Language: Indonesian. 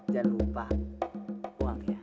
jangan lupa buang ya